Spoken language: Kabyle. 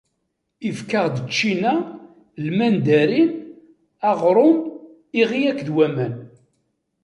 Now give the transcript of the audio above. Ifka-aɣ-d ččina, lmandarin, aɣṛum, iɣi akked waman.